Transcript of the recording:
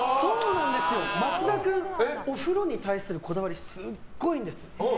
増田君お風呂に対するこだわりすごいんです。